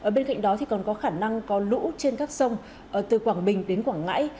bên cạnh đó còn có khả năng có lũ trên các sông từ quảng bình đến quảng ngãi